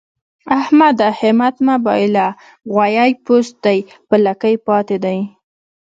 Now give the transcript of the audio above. احمده! همت مه بايله؛ غويی پوست دی په لکۍ پاته دی.